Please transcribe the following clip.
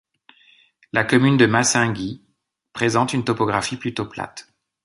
La commune de Massingy présente une topographie plutôt plate.